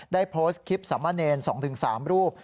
ได้โพสต์คลิปสามมาเนรสองถึงสามรูป